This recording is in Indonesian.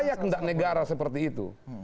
layak enggak negara seperti itu